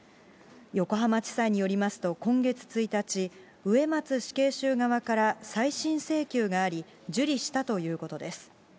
横浜地裁によりますと、今月１日、植松死刑囚側から再審請求があり、受理したということです。